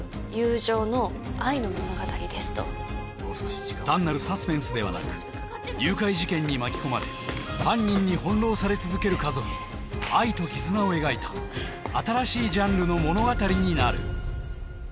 おそらく単なるサスペンスではなく誘拐事件に巻き込まれ犯人に翻弄され続ける家族の愛と絆を描いた新しいジャンルの物語になる